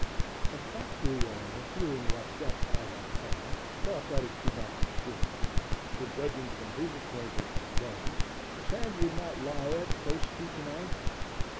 A factory owner, hearing what depth I had found, thought that it could not be true, for, judging from his acquaintance with dams, sand would not lie at so steep an angle.